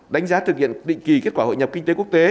đánh giá thực hiện định kỳ kết quả hội nhập kinh tế quốc tế